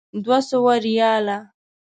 دوه سوه ریاله.